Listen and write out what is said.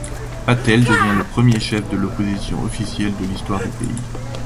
Patel devient le premier chef de l'opposition officielle de l'histoire du pays.